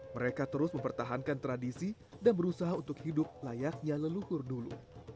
mereka terus mempertahankan tradisi dan berusaha untuk hidup layaknya leluhur dulu